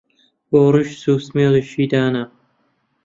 بۆ ڕیش چوو سمێڵیشی دانا